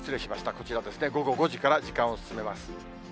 こちらですね、午後５時から時間を進めます。